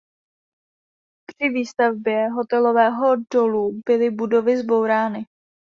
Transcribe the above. Při výstavbě hotelového dolu byly budovy zbourány.